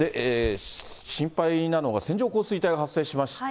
心配なのが、線状降水帯が発生しまして。